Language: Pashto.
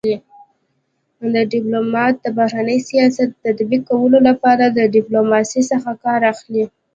ډيپلومات دبهرني سیاست د تطبيق کولو لپاره د ډيپلوماسی څخه کار اخلي.